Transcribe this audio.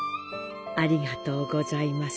ありがとうございます。